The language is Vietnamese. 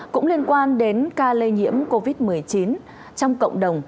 cũng liên quan đến ca lây nhiễm covid một mươi chín trong cộng đồng